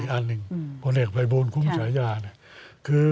ว่านี่ให้ปลายบ้นคุมสายาเนี่ย